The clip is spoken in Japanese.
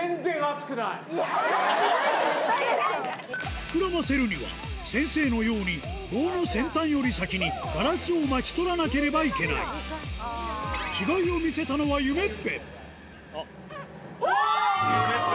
膨らませるには先生のように棒の先端より先にガラスを巻き取らなければいけないうわぁ！